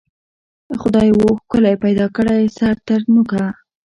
خدای وو ښکلی پیدا کړی سر تر نوکه